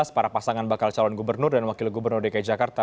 para pasangan bakal calon gubernur dan wakil gubernur dki jakarta